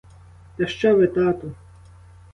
Та що ви, тату?